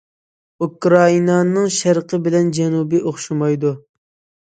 ئۇكرائىنانىڭ شەرقى بىلەن جەنۇبى ئوخشىمايدۇ.